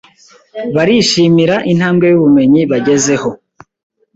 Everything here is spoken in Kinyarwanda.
barishimira intambwe y’ubumenyi bagezeho|